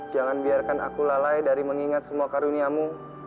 jangan biarkan aku lalai dari mengingat semua karuniamu